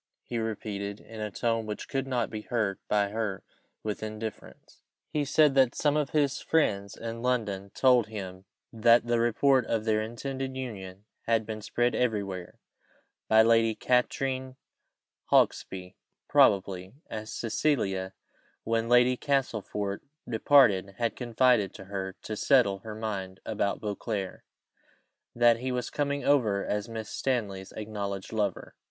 he repeated, in a tone which could not be heard by her with indifference. He said that some of his friends in London told him that the report of their intended union had been spread everywhere (by Lady Katrine Hawksby probably, as Cecilia, when Lady Castlefort departed, had confided to her, to settle her mind about Beauclerc, that he was coming over as Miss Stanley's acknowledged lover).